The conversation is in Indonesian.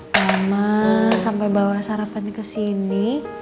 mama sampai bawa sarapan ke sini